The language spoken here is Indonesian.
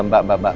mbak mbak mbak